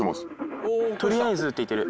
「取りあえず」って言ってる。